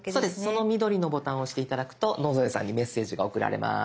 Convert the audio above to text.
その緑のボタンを押して頂くと野添さんにメッセージが送られます。